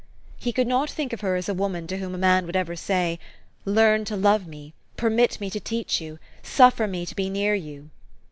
He could not think of her as a woman to whom a man would ever say, " Learn to love me. Permit me to teach you. Suffer me to be near you."